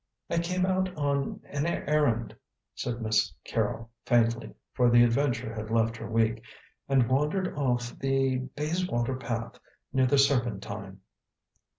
"I came out on an errand," said Miss Carrol faintly, for the adventure had left her weak, "and wandered off the Bayswater path near the Serpentine."